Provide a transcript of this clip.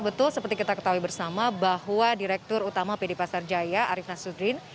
betul seperti kita ketahui bersama bahwa direktur utama pd pasar jaya arief nasuddin